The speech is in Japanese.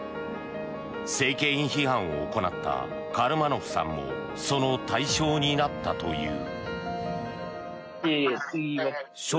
政権批判を行ったカルマノフさんもその対象になったという。